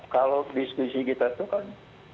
kalau diskusi kita itu kan